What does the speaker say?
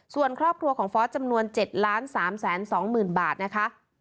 ส่วนครอบครัวของฟอสจำนวน๗๓๒๐๐๐บาทนะคะ